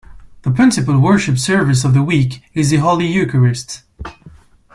The principal worship service of the week is the Holy Eucharist.